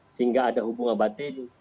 sehingga ada hubungan batin